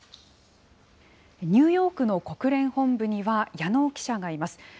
ニューヨークの国連本部には矢野記者がいます。